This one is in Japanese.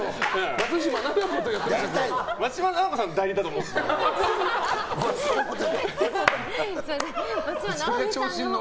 松嶋菜々子さんの代理だと思ってたの？